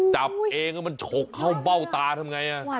จับเองแล้วมันฉกเข้าเบ้าตาทำไง